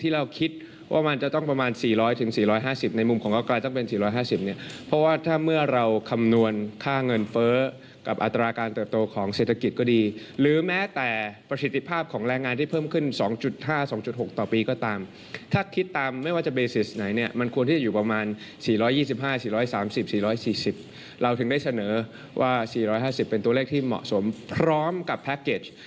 ๕๔๓๐๔๔๐เราถึงได้เสนอว่า๔๕๐เป็นตัวเลขที่เหมาะสมพร้อมกับแพ็กเกจ